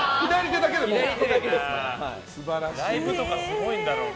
ライブとかすごいんだろうな。